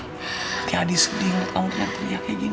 makanya adi sedih ngeliat kamu teriak teriak kayak gini